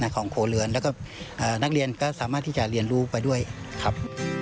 ของครัวเรือนแล้วก็นักเรียนก็สามารถที่จะเรียนรู้ไปด้วยครับ